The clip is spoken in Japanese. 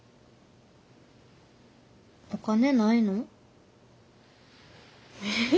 お金ないの？え？